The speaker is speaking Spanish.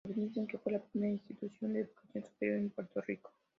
Algunos dicen que fue la primera institución de educación superior en Puerto Rico.